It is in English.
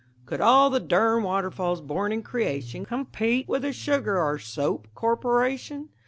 Could all the durn waterfalls born in creation Compete with a sugar or soap corporation?